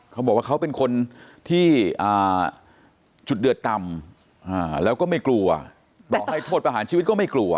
เขาบอกว่าเขาเป็นคนที่จุดเดือดต่ำแล้วก็ไม่กลัวต่อให้โทษประหารชีวิตก็ไม่กลัว